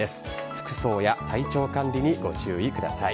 服装や体調管理にご注意ください。